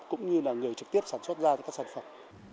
cũng như là người trực tiếp sản xuất ra các sản phẩm